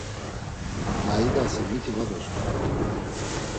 Na idasen miti var dosǩudu.